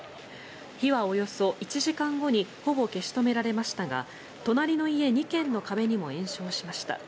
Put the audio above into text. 火はおよそ１時間後にほぼ消し止められましたが隣の家２軒の壁にも延焼しました。